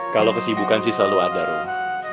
kalau kesibukan sih selalu ada rumah